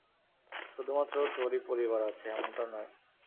শুধুমাত্র তোরই পরিবার আছে - এমনটা নয়।